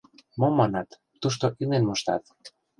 — Мом манат, тушто илен моштат...